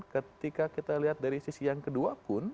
ketika kita lihat dari sisi yang kedua pun